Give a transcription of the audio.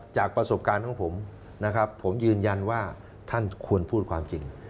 จากประสบการณ์ของผมนะครับผมยืนยันว่าท่านควรพูดความจริง